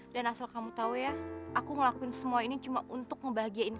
dan asal kamu tau ya aku ngelakuin semua ini cuma untuk ngebahagiain dia